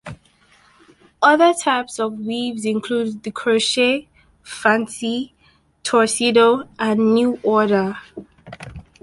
Other types of weaves include the "Crochet, Fancy," "Torcido", and "New Order.